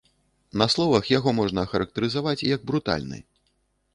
На словах яго можна ахарактарызаваць як брутальны.